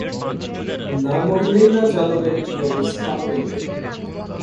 না মরিলেই বা যাদবের কী অবস্থা হইবে?